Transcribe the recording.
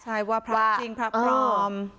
ใช่ว่าพระจริงพระปลอม